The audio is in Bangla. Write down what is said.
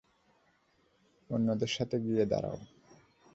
অন্যদের সাথে গিয়ে দাঁড়াও।